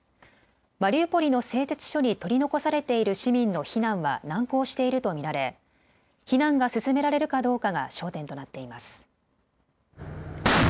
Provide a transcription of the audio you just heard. マリウポリの製鉄所に取り残されている市民の避難は難航していると見られ避難が進められるかどうかが焦点となっています。